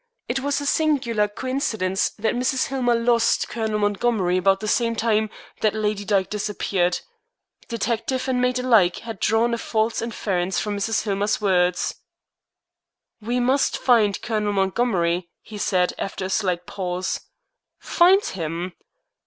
It was a singular coincidence that Mrs. Hillmer "lost" Colonel Montgomery about the same time that Lady Dyke disappeared. Detective and maid alike had drawn a false inference from Mrs. Hillmer's words. "We must find Colonel Montgomery," he said, after a slight pause. "Find him!"